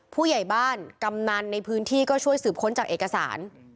ผู้ใหญ่บ้านกำนันในพื้นที่ก็ช่วยสืบค้นจากเอกสาร